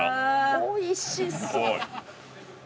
おいしそう。